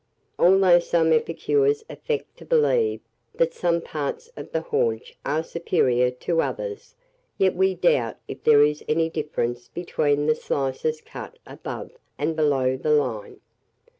Although some epicures affect to believe that some parts of the haunch are superior to others, yet we doubt if there is any difference between the slices cut above and below the line.